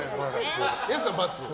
安さんは×。